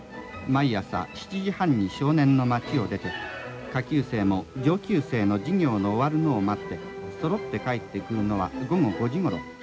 「毎朝７時半に少年の町を出て下級生も上級生の授業の終わるのを待ってそろって帰ってくるのは午後５時ごろ。